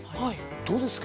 どうですか？